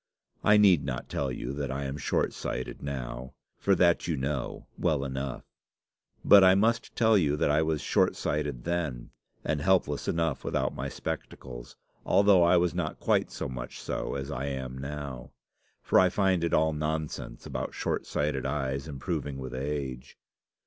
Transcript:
I need not tell you that I am short sighted now, for that you know well enough. But I must tell you that I was short sighted then, and helpless enough without my spectacles, although I was not quite so much so as I am now; for I find it all nonsense about short sighted eyes improving with age.